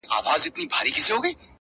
او پر ښار باندي نازل نوی آفت سو.!